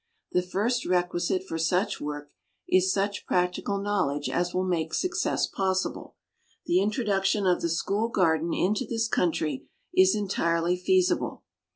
The first requisite for such work is such practical knowledge as will make success possible. The introduction of the school garden into this country is entirely feasible.